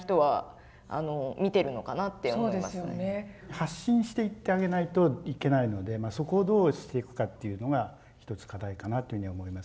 発信していってあげないといけないのでそこをどうしていくかっていうのが一つ課題かなというふうには思いますけれども。